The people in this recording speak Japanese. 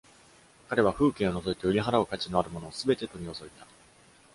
彼は風景を除いて、売り払う価値のあるものをすべて取り除いた。